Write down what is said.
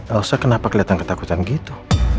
aussa kenapa kelihatan ketakutan gitu